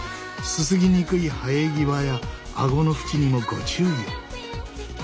すすぎにくい生え際やあごの縁にもご注意を。